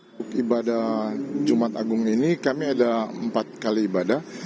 untuk ibadah jumat agung ini kami ada empat kali ibadah